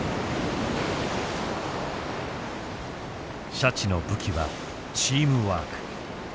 シャチの武器はチームワーク。